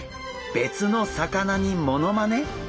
別の魚にモノマネ！？